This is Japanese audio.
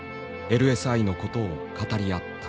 ＬＳＩのことを語り合った。